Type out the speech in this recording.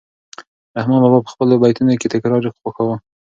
رحمان بابا په خپلو بیتونو کې تکرار خوښاوه.